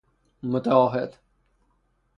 متعاهد